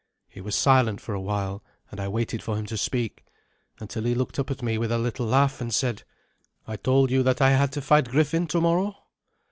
He was silent for a while, and I waited for him to speak, until he looked up at me with a little laugh, and said, "I told you that I had to fight Griffin tomorrow?"